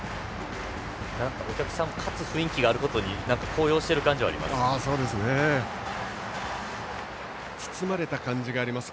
お客さんは勝つ雰囲気があることに高揚している感じがあります。